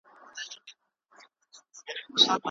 ایا د خیر محمد لور به د پلار په راتګ خوشحاله شي؟